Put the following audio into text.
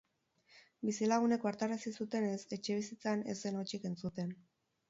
Bizilagunek ohartarazi zutenez, etxebizitzan ez zen hotsik entzuten.